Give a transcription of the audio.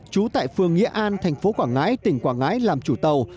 trú tại phường nghĩa an thành phố quảng ngãi tỉnh quảng ngãi làm chủ tàu